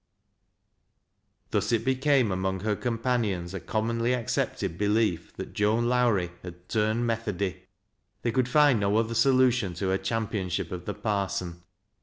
Thus it became among her companions a commonly accepted belief that Joan Lowrie had turned " Methody." They could find no other solution to her championship of the parson.